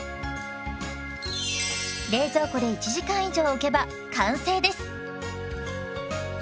冷蔵庫で１時間以上おけば完成です。